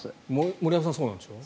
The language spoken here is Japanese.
森山さんそうなんでしょ？